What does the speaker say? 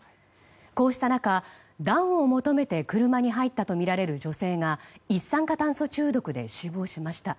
こうした中暖を求めて車に入ったとみられる女性が一酸化炭素中毒で死亡しました。